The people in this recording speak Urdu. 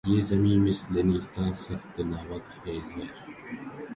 یہ زمیں مثلِ نیستاں‘ سخت ناوک خیز ہے